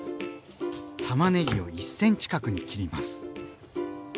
たまねぎを１ｃｍ角に切ります。